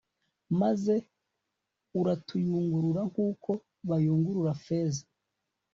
maze uratuyungurura nk'uko bayungurura feza